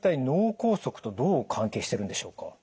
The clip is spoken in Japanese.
脳梗塞とどう関係してるんでしょうか？